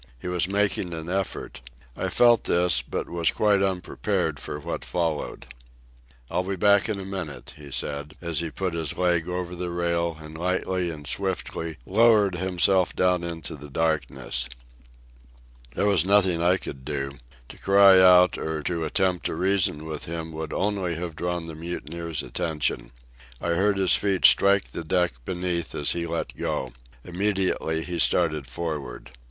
He was making an effort. I felt this, but was quite unprepared for what followed. "I'll be back in a minute," he said, as he put his leg over the rail and lightly and swiftly lowered himself down into the darkness. There was nothing I could do. To cry out or to attempt to reason with him would only have drawn the mutineers' attention. I heard his feet strike the deck beneath as he let go. Immediately he started for'ard.